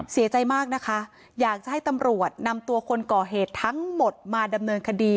เสียใจมากนะคะอยากจะให้ตำรวจนำตัวคนก่อเหตุทั้งหมดมาดำเนินคดี